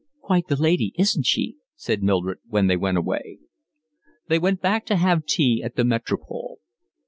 "Quite the lady, isn't she?" said Mildred, when they went away. They went back to have tea at the Metropole.